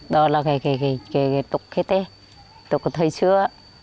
đó là cái tục khế tế tục thời xưa